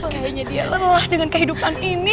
kayaknya dia lelah dengan kehidupan ini